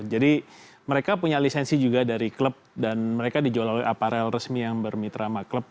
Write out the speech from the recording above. jadi mereka punya lisensi juga dari klub dan mereka dijual oleh aparel resmi yang bermitra sama klub